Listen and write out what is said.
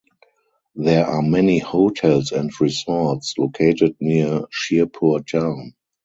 There are many hotels and resorts located near Shirpur town.